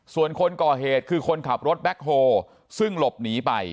ส่วนคนก่อเหตุคือคนขับรถแบ็คโฮซึ่งหลบหนีไป